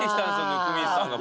温水さんが。